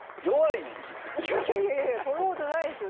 いやいやいやそんなことないですよ。